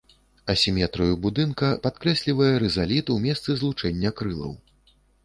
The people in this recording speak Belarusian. Асіметрыю будынка падкрэслівае рызаліт у месцы злучэння крылаў.